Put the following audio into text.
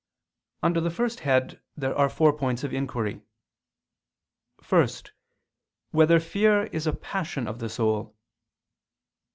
Under the first head there are four points of inquiry: (1) Whether fear is a passion of the soul?